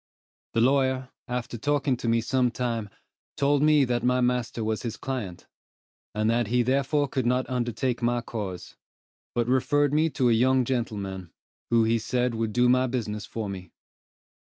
The lawyer, after talking to me some time, told me that my master was his client, and that he therefore could not undertake my cause; but referred me to a young gentleman, who he said would do my business for me.